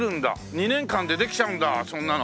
２年間でできちゃうんだそんなの。